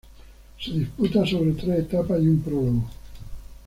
Se disputa sobre tres etapas y un prólogo.